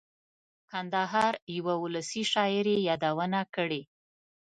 کندهار یوه اولسي شاعر یې یادونه کړې.